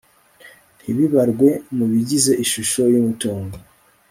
ntibibarwe mu bigize ishusho y umutungo